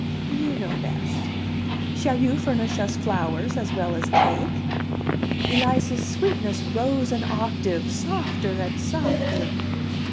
"You know best. Shall you furnish us flowers as well as cake?" Eliza's sweetness rose an octave, softer and softer.